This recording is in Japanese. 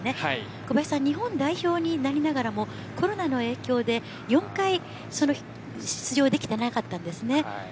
小林さんは日本代表になりながらもコロナの影響で４回出場できていなかったんですね。